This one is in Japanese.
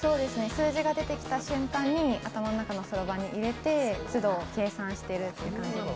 数字が出てきた瞬間に頭の中のそろばんに入れてつど、計算しているっていう感じです。